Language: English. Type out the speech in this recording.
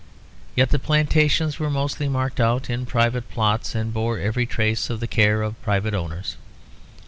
Yet the plantations were mostly marked out in private plots and bore every trace of the care of private owners.